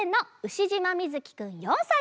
しじまみずきくん４さいから。